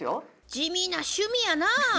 地味な趣味やなぁ。